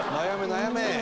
悩め！